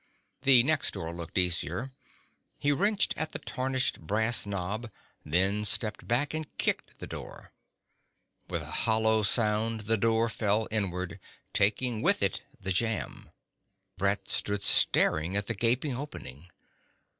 The next door looked easier. He wrenched at the tarnished brass nob, then stepped back and kicked the door. With a hollow sound the door fell inward, taking with it the jamb. Brett stood staring at the gaping opening.